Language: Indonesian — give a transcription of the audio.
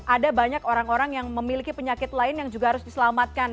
ada banyak orang orang yang memiliki penyakit lain yang juga harus diselamatkan